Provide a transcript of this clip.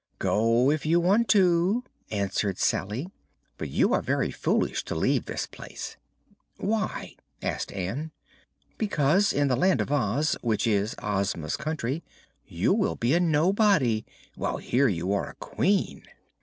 "Go, if you want to," answered Salye; "but you are very foolish to leave this place." "Why?" asked Ann. "Because in the Land of Oz, which is Ozma's country, you will be a nobody, while here you are a Queen."